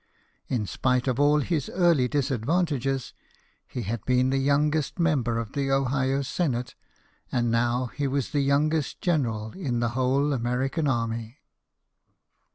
In spite of all his early disadvantages, he had been the youngest member of the Ohio Senate, and now he was the youngest general in the whole American army.